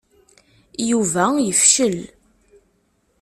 Yuba yefcel.